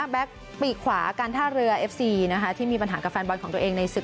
แก๊กปีกขวาการท่าเรือเอฟซีที่มีปัญหากับแฟนบอลของตัวเองในศึก